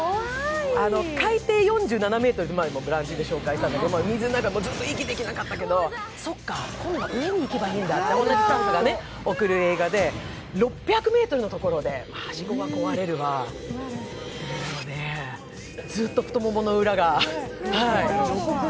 「海底４７ｍ」、前にも「ブランチ」で紹介しましたけど、水の中、ずっと息できなかったけどそっか、今度は上に行けばいいんだという映画で６００ｍのところではしごが壊れれば、ずっと太ももの裏が。